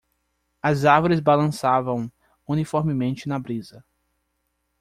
As árvores balançavam uniformemente na brisa.